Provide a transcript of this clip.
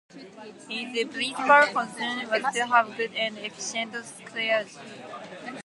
His principal concern was to have a good and efficient clergy.